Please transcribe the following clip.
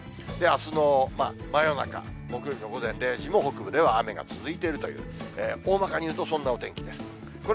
あすの真夜中、木曜日の午前０時も、北部では雨が続いているという、大まかに言うと、そんなお天気です。